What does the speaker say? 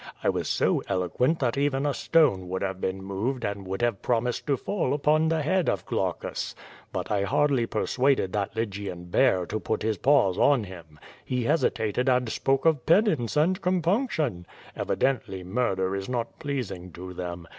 I was so eloquent that even a stone would have been moved and would have promised to fall upon the head of Glaucus. But I hardly persuaded that Lygian bear to put his paws on him. He hesitated and spoke of penance and compunction; evidently murder is not pleasing to them.